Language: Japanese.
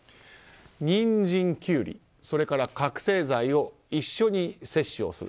ニンジン、キュウリ、覚醒剤を一緒に摂取をする。